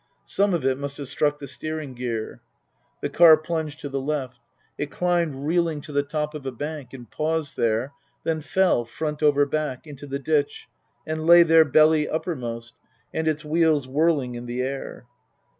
Some of it must have struck the steering gear. The car plunged to the left. It climbed reeling to the top of a bank and paused there, then fell, front over back, into the ditch and lay there, belly uppermost, and its wheels whirling in the air.